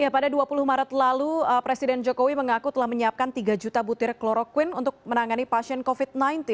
pada dua puluh maret lalu presiden jokowi mengaku telah menyiapkan tiga juta butir kloroquine untuk menangani pasien covid sembilan belas